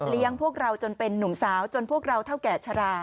พวกเราจนเป็นนุ่มสาวจนพวกเราเท่าแก่ชะลา